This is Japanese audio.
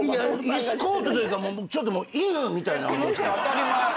エスコートというかちょっと犬みたいなもんですけどね。